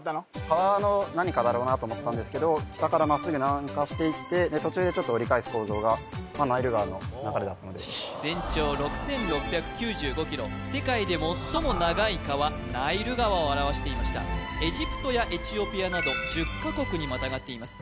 川の何かだろうなと思ったんですけど北からまっすぐ南下していって途中でちょっと折り返す構造がナイル川の流れだったので全長６６９５キロ世界で最も長い川ナイル川を表していましたエジプトやエチオピアなど１０カ国にまたがっています